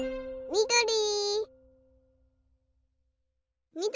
みどり！